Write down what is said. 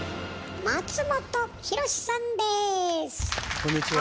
こんにちは。